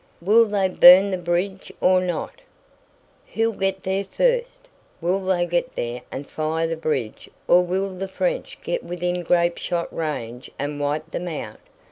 "Will they burn the bridge or not? Who'll get there first? Will they get there and fire the bridge or will the French get within grapeshot range and wipe them out?"